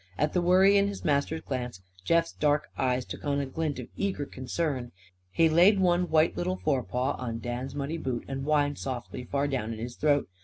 At the worry in his master's glance, Jeff's dark eyes took on a glint of eager concern. He laid one white little forepaw on Dan's muddy boot, and whined softly, far down in his throat.